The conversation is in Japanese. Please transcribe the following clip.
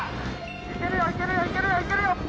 行けるよ、行けるよ、行けるよ、行けるよ。